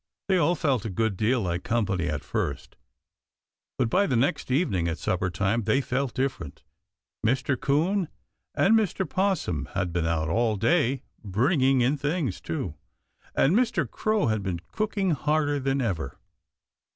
They all felt a good deal like company at first, but by the next evening at supper time they felt different. Mr. 'Coon and Mr. 'Possum had been out all day bringing in things, too, and Mr. Crow had been cooking harder than ever.